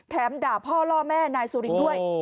แถมด่าพ่อล่อแม่นายสุรินด้วย